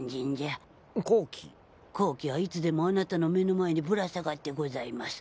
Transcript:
好機はいつでもあなたの目の前にぶら下がってございます。